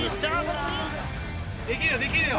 できるよできるよ！